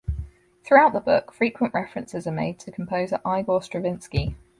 Throughout the book, frequent references are made to composer Igor Stravinsky.